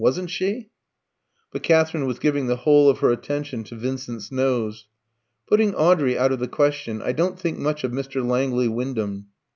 Wasn't she?" But Katherine was giving the whole of her attention to Vincent's nose. "Putting Audrey out of the question, I don't think much of Mr. Langley Wyndham.